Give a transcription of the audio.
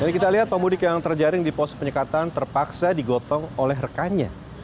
jadi kita lihat pemudik yang terjaring di pos penyekatan terpaksa digotong oleh rekannya